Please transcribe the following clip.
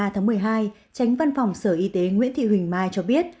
tránh văn phòng sở y tế nguyễn thị huỳnh mai cho biết